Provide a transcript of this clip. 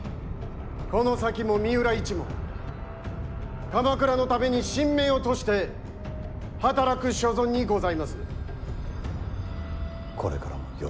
この先も三浦一門鎌倉のために身命を賭して働く所存にございます。